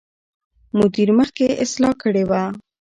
مدیر مخکې اصلاح کړې وه.